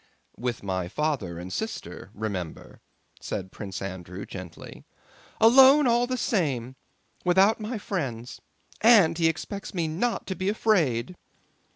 "With my father and sister, remember," said Prince Andrew gently. "Alone all the same, without my friends.... And he expects me not to be afraid."